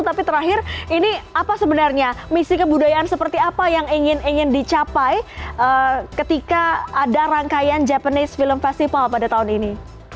tapi terakhir ini apa sebenarnya misi kebudayaan seperti apa yang ingin ingin dicapai ketika ada rangkaian japanese film festival pada tahun ini